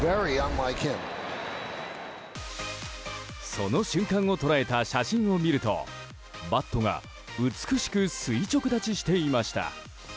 その瞬間を捉えた写真を見るとバットが美しく垂直立ちしていました。